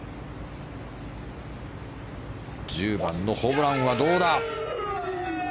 １０番のホブランはどうだ。